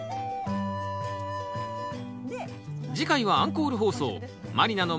次回はアンコール放送。